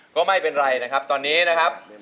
ก็ไม่เป็นไรนะครับตอนนี้นะครับ